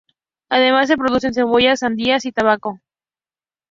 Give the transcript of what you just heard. Además se producen cebollas, sandías y tobacco.